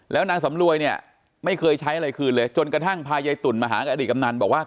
แล้วนางสำรวยเนี่ยไม่เคยใช้อะไรคืนเลยจนกระทั่งพายายตุ๋นมาหากับอดีตกำนันบอกว่า